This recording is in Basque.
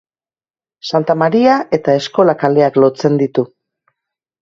Santa Maria eta Eskola kaleak lotzen ditu.